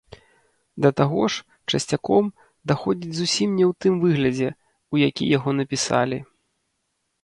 Да таго ж, часцяком, даходзіць зусім не ў тым выглядзе, у які яго напісалі.